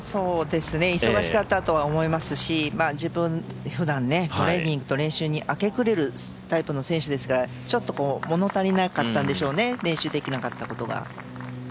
忙しかったとは思いますし、ふだん、練習とトレーニングに明け暮れるタイプの選手ですから、ちょっと物足りなかったんでしょうね、練習できなかったことが。